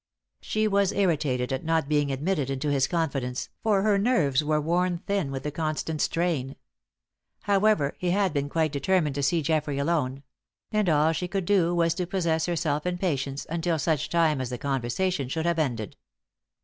She was irritated at not being admitted into his confidence, for her nerves were worn thin with the constant strain. However, he had been quite determined to see Geoffrey alone; and all she could do was to possess herself in patience until such time as the conversation should have ended.